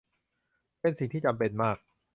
เป็นสิ่งที่จำเป็นมาก